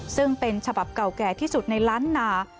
ซึ่งเป็นฉบับเก่าแก่ที่สุดในล้านนา